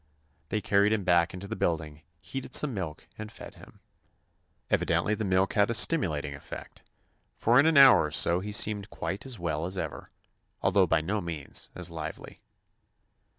They carried him back into the building, heated some milk and fed him. Evidently the milk had a stimulating effect, for in an hour or so he seemed quite as well as 175 THE ADVENTURES OF ever, although by no means as lively.